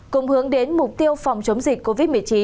cùng hướng đến mục tiêu phòng chống dịch covid một mươi chín